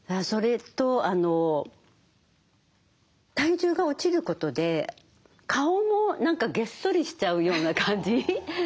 それと体重が落ちることで顔も何かゲッソリしちゃうような感じ？